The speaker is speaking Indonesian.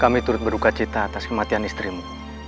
kami turut berduka cita atas kematian istrimu